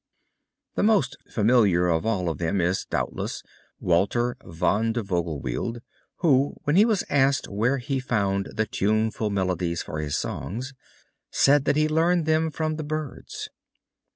The most familiar of all of them is doubtless Walter von der Vogelweide who, when he was asked where he found the tuneful melodies for his songs, said that he learned them from the birds.